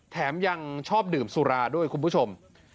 แถมยังชอบดื่มสุราด้วยคุณผู้ชม